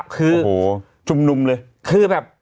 คือชุมนุมเลยคือแบบ